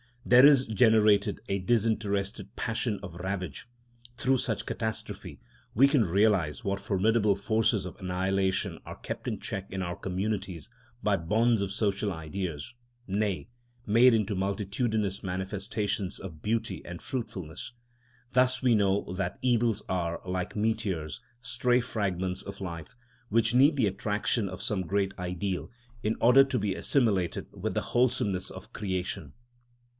There is generated a disinterested passion of ravage. Through such catastrophe we can realise what formidable forces of annihilation are kept in check in our communities by bonds of social ideas; nay, made into multitudinous manifestations of beauty and fruitfulness. Thus we know that evils are, like meteors, stray fragments of life, which need the attraction of some great ideal in order to be assimilated with the wholesomeness of creation.